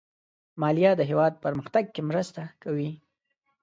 مالیه د هېواد پرمختګ کې مرسته کوي.